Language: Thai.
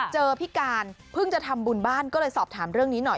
พี่การเพิ่งจะทำบุญบ้านก็เลยสอบถามเรื่องนี้หน่อย